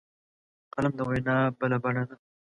قلم د وینا بله بڼه ده